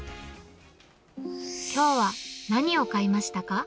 きょうは何を買いましたか？